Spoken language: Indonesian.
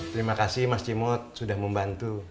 terima kasih mas jimod sudah membantu